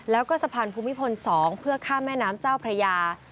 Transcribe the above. แล้วก็สะพานภูมิพล๒เพื่อข้ามแม่น้ำเจ้าพระยา